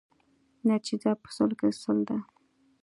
نتیجه په سلو کې سل ده.